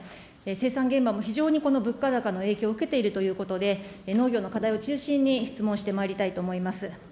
生産現場も非常に、この物価高の影響を受けているということで、農業の課題を中心に質問してまいりたいと思います。